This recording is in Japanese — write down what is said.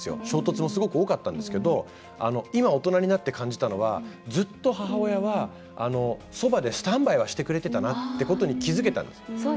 衝突もすごく多かったんですけど今、大人になって感じたのはずっと母親はそばでスタンバイはしてくれてたなってことに気付けたんです。